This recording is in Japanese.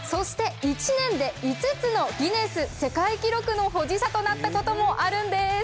１年で５つのギネス世界記録の保持者となったこともあるんです。